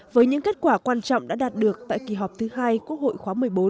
với những kết quả quan trọng đã đạt được tại kỳ họp thứ hai quốc hội khóa một mươi bốn